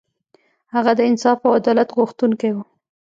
هغه د انصاف او عدالت غوښتونکی و.